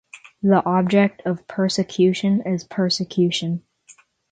The object of persecution is persecution.